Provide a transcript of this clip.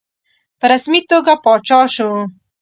په رسمي توګه پاچا شو.